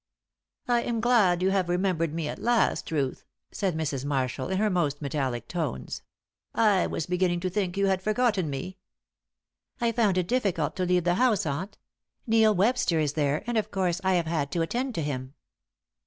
"I am glad you have remembered me at last, Ruth," said Mrs. Marshall, in her most metallic tones. "I was beginning to think you had forgotten me." "I found it difficult to leave the house, aunt; Neil Webster is there, and, of course, I have had to attend to him."